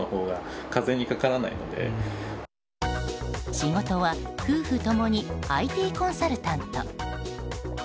仕事は夫婦共にＩＴコンサルタント。